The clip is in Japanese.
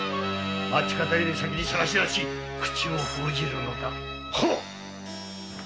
町方より先に捜し出し口を封じるのだ。